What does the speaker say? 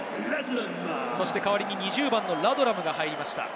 代わりに２０番のラドラムが入りました。